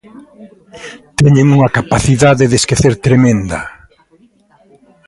¡Teñen unha capacidade de esquecer tremenda!